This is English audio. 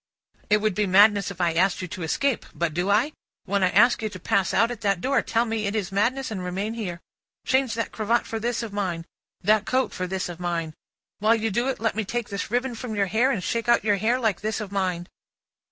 "It would be madness if I asked you to escape; but do I? When I ask you to pass out at that door, tell me it is madness and remain here. Change that cravat for this of mine, that coat for this of mine. While you do it, let me take this ribbon from your hair, and shake out your hair like this of mine!"